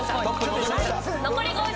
残り５０秒。